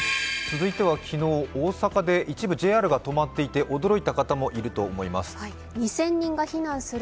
続いては昨日、大阪で一部ＪＲが止まっていて驚いた方もいると思います。